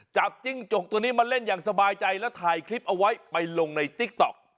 จิ้งจกตัวนี้มาเล่นอย่างสบายใจแล้วถ่ายคลิปเอาไว้ไปลงในติ๊กต๊อก